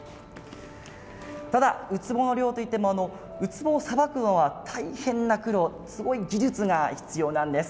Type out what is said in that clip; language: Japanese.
ただウツボの漁といってもウツボをさばくのは大変な苦労すごい技術が必要なんです。